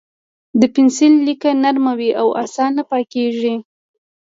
د پنسل لیکه نرم وي او اسانه پاکېږي.